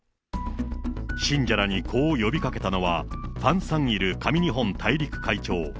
信者らにこう呼びかけたのは、パン・サンイル神日本大陸会長。